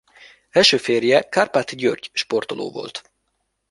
Első férje Kárpáti György sportoló volt.